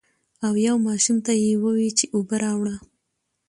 او يو ماشوم ته يې ووې چې اوبۀ راوړه ـ